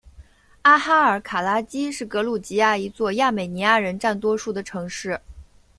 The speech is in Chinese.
阿哈尔卡拉基是格鲁吉亚一座亚美尼亚人占多数的城市。